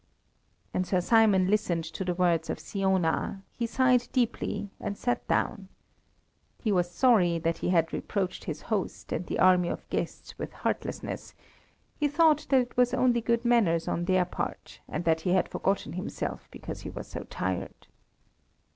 And Sir Simon listened to the words of Siona; he sighed deeply and sat down. He was sorry that he had reproached his host and the army of guests with heartlessness; he thought that it was only good manners on their part, and that he had forgotten himself because he was so tired.